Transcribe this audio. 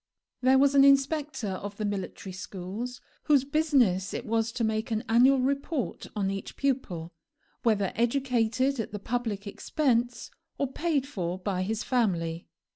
There was an inspector of the military schools, whose business it was to make an annual report on each pupil, whether educated at the public expense or paid for by his family.